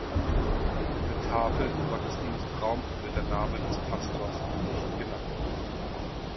Auf der Tafel im Gottesdienstraum wird der Name des Pastors nicht genannt.